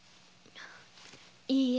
いいえ。